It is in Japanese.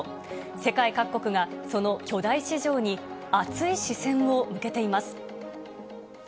世界各国がその巨大市場に熱い視線を向けています。